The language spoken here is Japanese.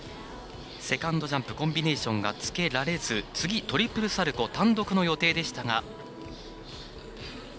セカンドジャンプコンビネーションがつけられず次、トリプルサルコー単独の予定でしたが。